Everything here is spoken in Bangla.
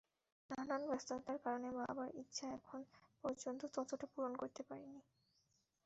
নানান ব্যস্ততার কারণে বাবার ইচ্ছা এখন পর্যন্ত ততটা পূরণ করতে পারিনি।